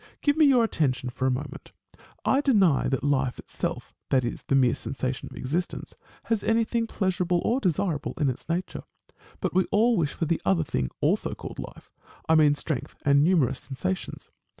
Give me your attention for a moment. I deny that life itself, i.e., the mere sensation of existence, has anything pleasurable or desirable in its nature. But we all wish for the other thing, also called life ; I mean strength, and numerous sensations.